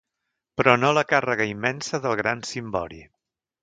Però no la càrrega immensa del gran cimbori.